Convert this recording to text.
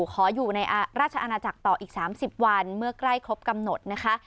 ขออยู่ในราชอาณาจักรต่ออีก๓๐วันเมื่อใกล้ครบกำหนดนะคะ